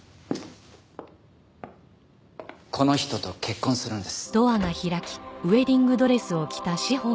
この人と結婚するんです。